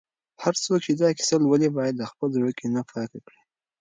هر څوک چې دا کیسه لولي، باید د خپل زړه کینه پاکه کړي.